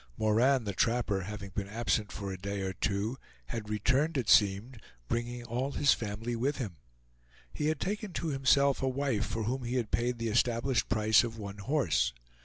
Moran, the trapper, having been absent for a day or two, had returned, it seemed, bringing all his family with him. He had taken to himself a wife for whom he had paid the established price of one horse.